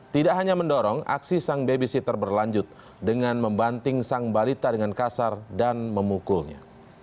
tidak hanya mendorong aksi sang babysitter berlanjut dengan membanting sang balita dengan kasar dan memukulnya